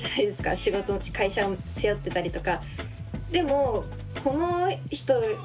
仕事会社を背負ってたりとか。